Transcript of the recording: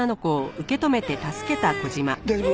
大丈夫？